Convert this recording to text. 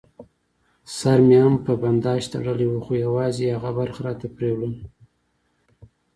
سر مې هم په بنداژ تړلی و، خو یوازې یې هغه برخه راته پرېولل.